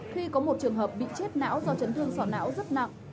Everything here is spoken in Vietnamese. khi có một trường hợp bị chết não do chấn thương sỏ não rất nặng